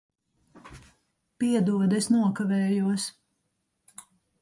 Piedod, es nokavējos.